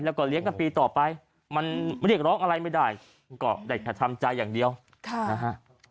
แล้วก็เลี้ยงกันปีต่อไปมันเรียกร้องอะไรไม่ได้ก็ได้แค่ทำใจอย่างเดียวนะฮะ